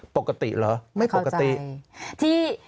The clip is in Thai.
ปกติหรือไม่ปกติ